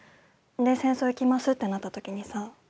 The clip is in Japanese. で戦争行きますってなった時にさ。